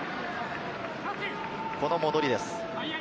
この戻りです。